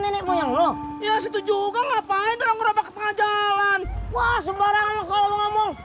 nenek goyang loh ya situ juga ngapain orang orang jalan jalan